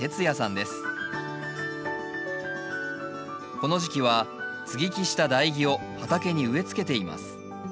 この時期は接ぎ木した台木を畑に植えつけています。